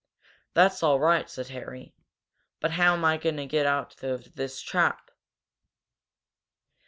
"That's all right," said Harry. "But how am I going to get out of this trap?"